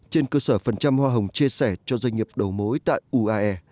trên cơ sở phần trăm hoa hồng chia sẻ cho doanh nghiệp đầu mối tại uae